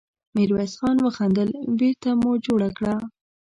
ميرويس خان وخندل: بېرته مو جوړه کړه!